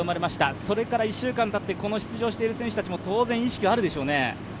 それから１週間たって出場している選手たちも、当然意識はあるでしょうね？